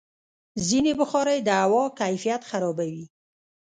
ځینې بخارۍ د هوا کیفیت خرابوي.